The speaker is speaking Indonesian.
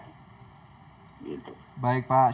syarul yasin limpo terima kasih